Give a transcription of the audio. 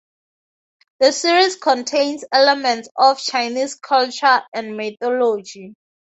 The series contains elements of Chinese culture and mythology.